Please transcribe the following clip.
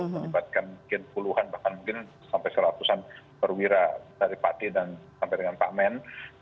menyebabkan mungkin puluhan bahkan mungkin sampai seratusan perwira dari pati dan sampai dengan pak men